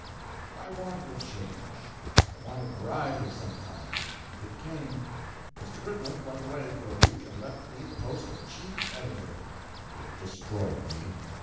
I wanted a change. I wanted variety of some kind. It came. Mr. Goodman went away for a week and left me the post of chief editor. It destroyed me.